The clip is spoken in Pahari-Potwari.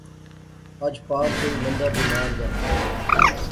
اج پار کوئی مندا بیمار دا